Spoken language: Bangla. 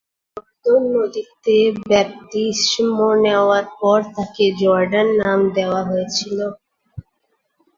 যর্দন নদীতে বাপ্তিস্ম নেওয়ার পর তাকে "জর্ডান" নাম দেওয়া হয়েছিল।